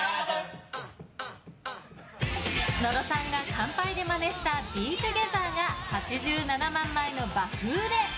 野呂さんが乾杯でまねした「ＢＥＴＯＧＥＴＨＥＲ」が８７万枚の爆売れ。